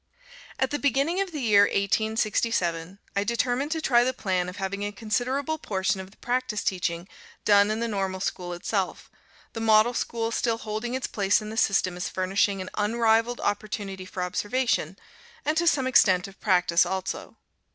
At the beginning of the year 1867, I determined to try the plan of having a considerable portion of the practice teaching done in the Normal School itself, the Model School still holding its place in the system as furnishing an unrivalled opportunity for observation, and to some extent of practice also.